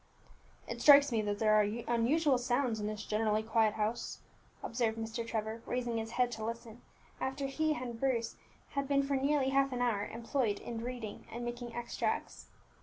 "It strikes me that there are unusual sounds in this generally quiet house," observed Mr. Trevor, raising his head to listen, after he and Bruce had been for nearly half an hour employed in reading and making extracts.